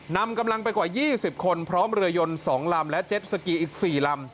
นำกำลังไปกว่า๒๐คนพร้อมเรือยน๒ลำและเจ็ดสกีอีก๔ลำ